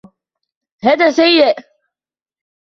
هذا سيئ.